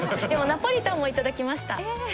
でもナポリタンもいただきました。